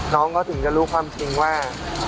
น้องเขาถึงจะรู้ความจริงว่า